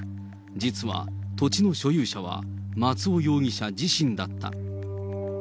実は土地の所有者は松尾容疑者自身だった。